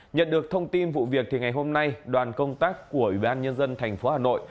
nhận được thông tin vụ việc thì ngày hôm nay đoàn công tác của ủy ban nhân dân thành phố hà nội